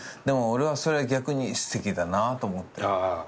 でも俺はそれ逆にすてきだなと思って。